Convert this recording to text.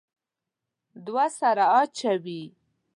دوه سره اچوي.